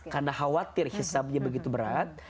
karena khawatir hisabnya begitu berat